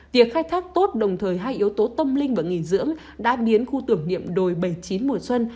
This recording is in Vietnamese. việc khai thác tốt đồng thời hai yếu tố tâm linh và nghỉ dưỡng đã biến khu tưởng niệm đồi bảy mươi chín mùa xuân